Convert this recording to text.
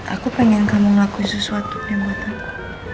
aku pengen kamu ngelakuin sesuatu yang buat aku